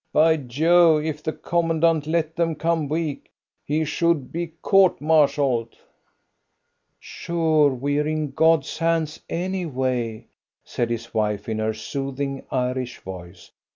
"Be Jove, if the Commandant let them come weak, he should be court martialled." "Sure we're in God's hands, anyway," said his wife, in her soothing, Irish voice.